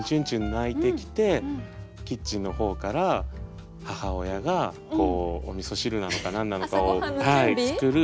鳴いてきてキッチンの方から母親がおみそ汁なのか何なのかを作る。